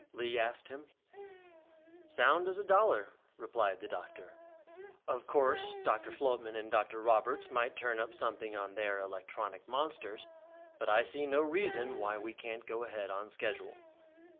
Lee asked him. "Sound as a dollar," replied the doctor. "Of course Dr. Flotman or Dr. Roberts might turn up something on their electronic monsters, but I see no reason why we can't go ahead on schedule."